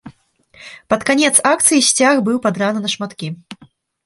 Пад канец акцыі сцяг быў падраны на шматкі.